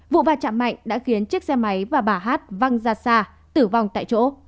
vụ va chạm mạnh đã khiến chiếc xe máy và bà hát văng ra xa tử vong tại chỗ